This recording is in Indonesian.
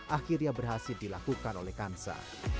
akhirnya berhasil dilakukan oleh kansa